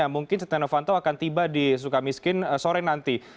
mungkin setia novanto akan tiba di sukamiskin sore nanti